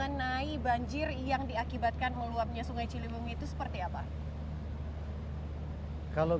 kita tidak akan mencari banjir yang terkait dengan sungai ciliwung